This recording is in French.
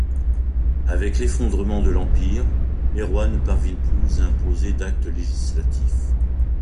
Avec l'effondrement de l'empire, les rois ne parviennent plus à imposer d'actes législatifs.